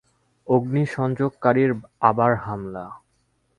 অগ্নিসংযোগকারীর আবার হামলা।